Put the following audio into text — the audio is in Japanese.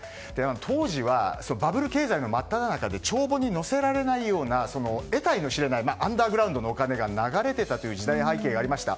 当時はバブル経済の真っただ中で帳簿に載せられないような得体の知れないアンダーグラウンドなお金が流れていたという時代背景がありました。